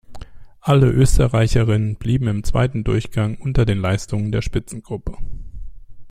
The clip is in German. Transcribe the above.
Alle Österreicherinnen blieben im zweiten Durchgang unter den Leistungen der Spitzengruppe.